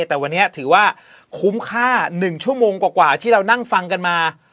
แต่วันนี้ถือว่าคุ้มค่า๑ชั่วโมงกว่าที่เรานั่งฟังกันมา